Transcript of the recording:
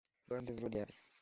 rwarundi ruzira uburyarya”